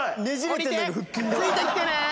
ついてきてね！